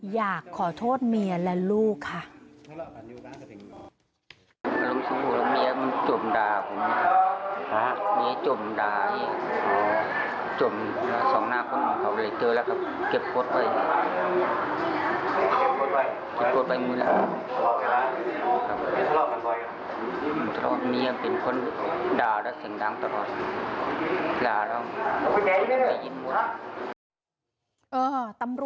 อยากขอโทษเมียและลูกค่ะ